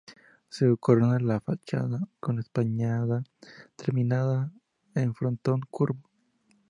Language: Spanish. Se corona la fachada con espadaña terminada en frontón curvo.